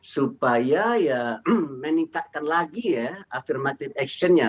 supaya meningkatkan lagi afirmatif actionnya